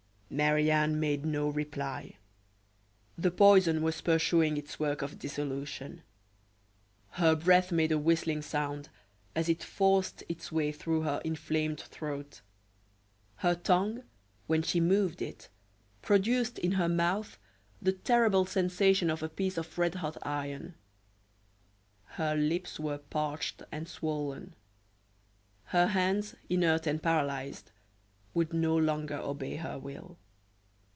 Marie Anne made no reply. The poison was pursuing its work of dissolution. Her breath made a whistling sound as it forced its way through her inflamed throat; her tongue, when she moved it, produced in her mouth the terrible sensation of a piece of red hot iron; her lips were parched and swollen; her hands, inert and paralyzed, would no longer obey her will.